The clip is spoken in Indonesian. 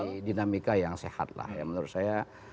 ini dinamika yang sehat lah ya menurut saya